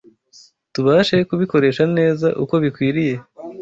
tubashe kubikoresha neza uko bikwiriye